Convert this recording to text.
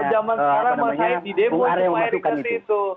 kalau zaman sekarang saya tidak mau masuk ke situ